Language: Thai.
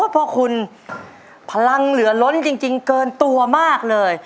พ่อคุณพลังเหลือล้นจริงเกินตัวมากเลย